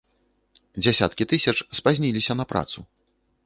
Дзясяткі тысяч спазніліся на працу.